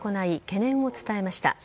懸念を伝えました。